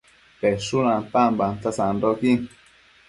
peshun ampambanta sandoquin